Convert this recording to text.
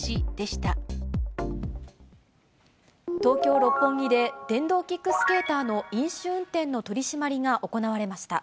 東京・六本木で、電動キックスケーターの飲酒運転の取締りが行われました。